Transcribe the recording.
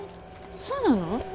そうなの？